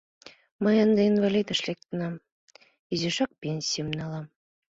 Мый ынде инвалидыш лектынам, изишак пенсийым налам.